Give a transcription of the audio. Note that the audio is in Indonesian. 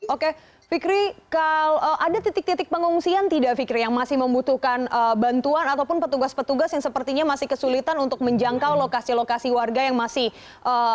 oke fikri ada titik titik pengungsian tidak fikri yang masih membutuhkan bantuan ataupun petugas petugas yang sepertinya masih kesulitan untuk menjangkau lokasi lokasi warga yang masih